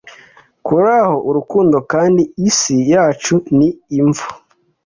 kuraho urukundo kandi isi yacu ni imva